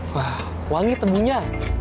wah wangi tebunya